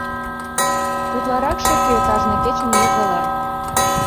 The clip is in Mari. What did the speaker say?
Утларакшым кӧ кажне кечын йыгыла?